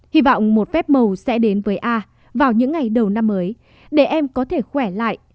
hy vọng một phép màu sẽ đến với a vào những ngày đầu năm mới để em có thể khỏe lại